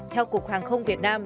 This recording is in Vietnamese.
theo cục hàng không việt nam